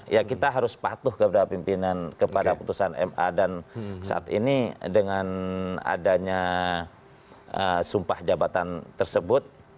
ya kita harus patuh kepada pimpinan kepada putusan ma dan saat ini dengan adanya sumpah jabatan tersebut